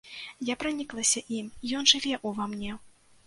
Я праніклася ім, ён жыве ўва мне.